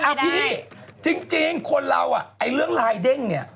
ก็เป็นอะไรได้พี่จริงคนเราเรื่องไลน์เด้งนี่